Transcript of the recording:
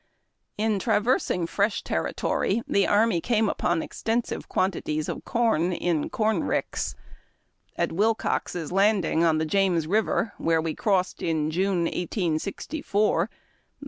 In traversing fresh territory, the army came upon exten sive quantities of corn in corn ricks. At Wilcox's Landing, on the James River, where we crossed in June, 1864, the 238 HARD TACK AND COFFEE.